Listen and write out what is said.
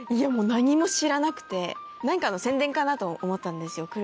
何も知らなくて何かの宣伝かなと思ったんですよ